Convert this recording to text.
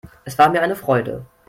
Es war mir eine Freude.